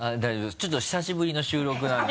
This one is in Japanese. ちょっと久しぶりの収録なんで。